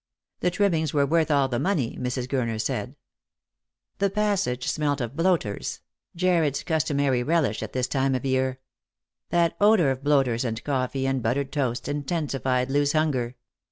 "The trimmings were worth all the money," Airs. G urner mihI. The passage smelt of bloaters — Jarred's customary relish at this time of year. That odour of bloaters and coffee and but tered toast intensified Loo's hunger.